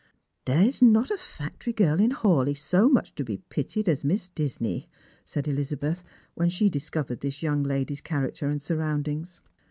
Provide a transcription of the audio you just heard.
" There is not a factory girl in Hawleigh so much to be pitied as Miss Disney," said Elizabeth, when she discovered this young lady's character and surroundings.